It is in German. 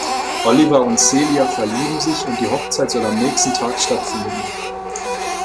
Oliver und Celia verlieben sich und die Hochzeit soll am nächsten Tag stattfinden.